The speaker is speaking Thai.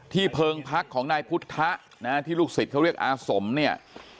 เพิงพักของนายพุทธะนะฮะที่ลูกศิษย์เขาเรียกอาสมเนี่ย